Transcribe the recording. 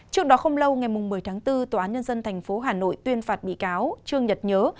trước đó không lâu ngày một mươi tháng bốn tòa án nhân dân tp hà nội tuyên phạt bị cáo trương nhật nhớ